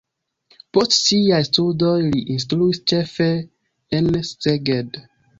Post siaj studoj li instruis ĉefe en Szeged.